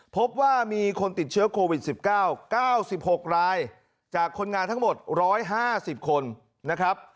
พบว่ามีคนติดเชื้อโควิด๑๙๙๖รายจากคนงานทั้งหมด๑๕๐คนนะครับ